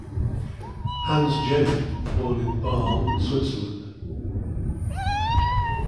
Hans Jenny was born in Basel, Switzerland.